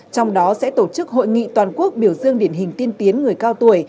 trong đó sẽ tổ chức hội nghị toàn quốc biểu dương điển hình tiên tiến người cao tuổi